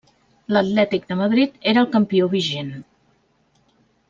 L'Atlètic de Madrid era el campió vigent.